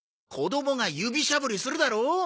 子供が指しゃぶりするだろう？